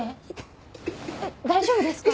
大丈夫ですか？